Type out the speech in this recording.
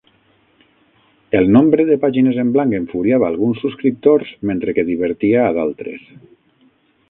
El nombre de pàgines en blanc enfuriava alguns subscriptors mentre que divertia a d'altres.